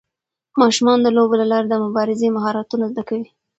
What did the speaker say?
ماشومان د لوبو له لارې د مبارزې مهارتونه زده کوي.